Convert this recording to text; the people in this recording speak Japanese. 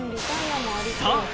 さあ